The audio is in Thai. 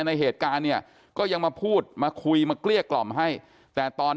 ในเหตุการณ์เนี่ยก็ยังมาพูดมาคุยมาเกลี้ยกล่อมให้แต่ตอน